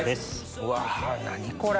うわ何これ？